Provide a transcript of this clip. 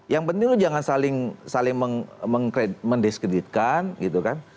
yang penting lu jangan saling mendiskreditkan gitu kan